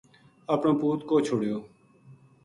اپنو پوت کوہ چھوڈیو